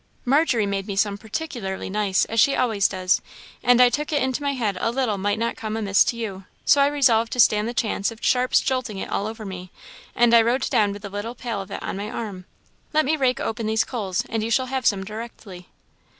"Margery made me some particularly nice, as she always does; and I took it into my head a little might not come amiss to you; so I resolved to stand the chance of Sharp's jolting it all over me, and I rode down with a little pail of it on my arm. Let me rake open these coals, and you shall have some directly."